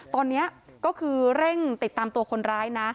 ตอนนี้ก็คือเร่งติดตามตัวคนร้ายนะ